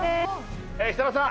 設楽さん